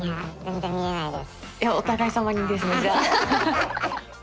いやお互い様にですねじゃあ。